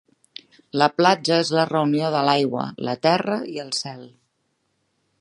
La platja és la reunió de l'aigua, la terra i el cel.